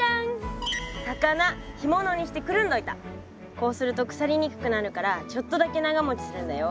こうすると腐りにくくなるからちょっとだけ長もちするんだよ。